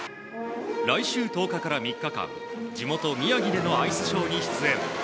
来週１０日から３日間地元・宮城でのアイスショーに出演。